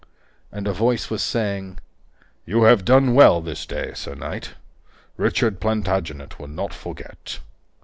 And then a voice was saying: "You have done well this day, sir knight. Richard Plantagenet will not forget."